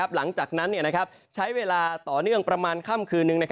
หลังจากนั้นใช้เวลาต่อเนื่องประมาณค่ำคืนนึง